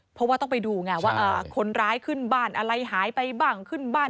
เพราะว่าต้องไปดูไงว่าคนร้ายขึ้นบ้านอะไรหายไปบ้างขึ้นบ้าน